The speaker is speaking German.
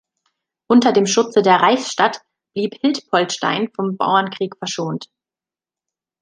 Unter dem Schutze der Reichsstadt blieb Hiltpoltstein vom Bauernkrieg verschont.